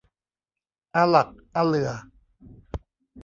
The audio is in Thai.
อาหลักอาเหลื่อ